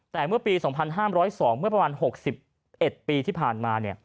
แต่เมื่อปี๒๕๐๒เมื่อประมาณ๖๑ปีที่ผ่านมา